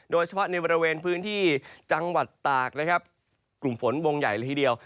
โดยเฉพาะในบริเวณพื้นที่จังหวัดตากนะครับกลุ่มฝนวงใหญ่เลยทีเดียว